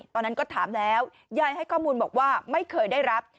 ตอนนั้นก็ถามแล้วยายให้ข้อมูลบอกว่าไม่เคยได้รับ